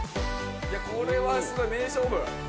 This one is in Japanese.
これはすごい名勝負。